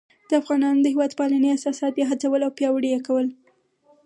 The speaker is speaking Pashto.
د افغانانو د هیواد پالنې احساسات یې هڅول او پیاوړي یې کول.